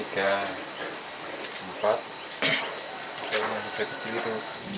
kalau yang besar besarnya lima